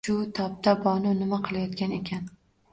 Shu tobda Bonu nima qilayotgan ekan